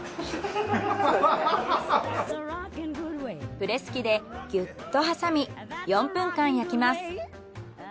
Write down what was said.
プレス機でギュッと挟み４分間焼きます。